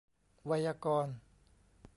ไวยากรณ์